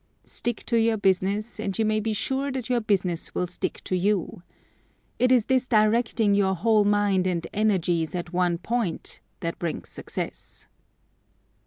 Stick to your business, and you may be sure that your business will stick to you. It is this directing your whole mind and energies at one point, that brings success."